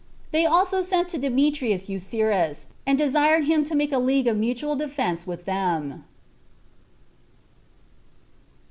They also sent to Demetrius Eucerus, and desired him to make a league of mutual defense with them.